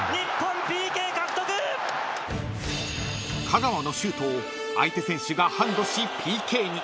［香川のシュートを相手選手がハンドしＰＫに］